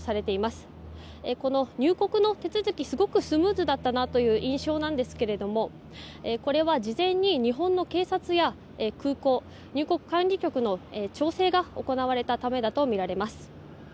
すごくスムーズだったなという印象なんですけどもこれは事前に日本の警察や空港入国管理局の調整が行われたためだとみられます。